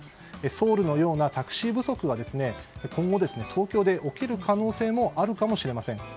ソウルのようなタクシー不足は今後、東京で起きる可能性もあるかもしれません。